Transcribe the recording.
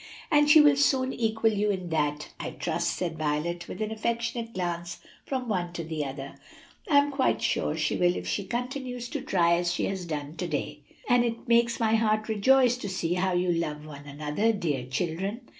"And she will soon equal you in that, I trust," said Violet, with an affectionate glance from one to the other; "I am quite sure she will if she continues to try as she has done to day. And it makes my heart rejoice to see how you love one another, dear children."